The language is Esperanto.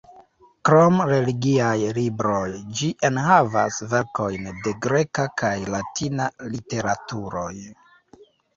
Krom religiaj libroj, ĝi enhavis verkojn de greka kaj latina literaturoj.